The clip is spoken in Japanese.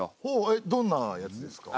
えどんなやつですか？